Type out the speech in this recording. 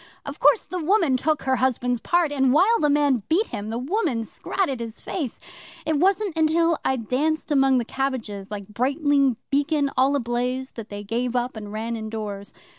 Of course the woman took her husband's part, and while the man beat him, the woman scratted his face. It wasn't till I danced among the cabbages like Brightling Beacon all ablaze that they gave up and ran indoors.